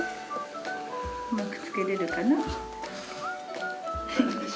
うまく付けられるかな？